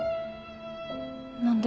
何で？